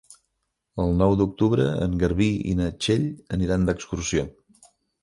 El nou d'octubre en Garbí i na Txell aniran d'excursió.